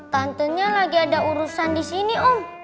tantenya lagi ada urusan di sini om